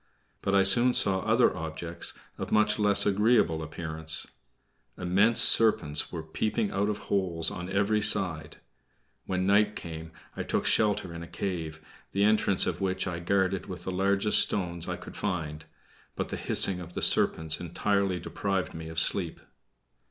But I soon saw other objects of much less agreeable appearance. Immense serpents were peeping out of holes on every side. When night came, I took shelter in a cave, the entrance of which I guarded with the largest stones I could find, but the hissing of the serpents entirely deprived me of sleep.